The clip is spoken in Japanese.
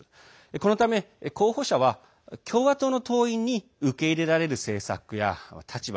このため候補者は共和党の党員に受け入れられる政策や立場